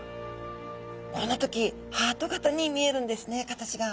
この時ハート形に見えるんですね形が。